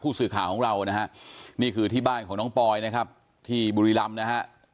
สื่อข่าวของเรานะฮะนี่คือที่บ้านของน้องปอยนะครับที่บุรีรำนะฮะ